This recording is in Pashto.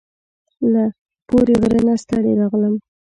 له پوري غره نه ستړي راغلم